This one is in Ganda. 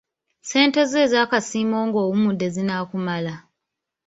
Ssente zo ez'akasiimo ng'owummudde zinaakumala?